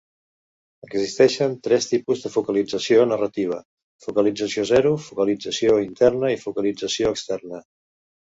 Existeixen tres tipus de focalització narrativa: focalització zero, focalització interna i focalització externa.